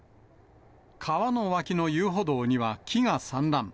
川の脇の遊歩道には木が散乱。